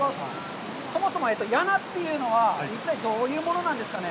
そもそも「やな」というのは、実際、どういうものなんですかね。